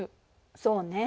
そうね。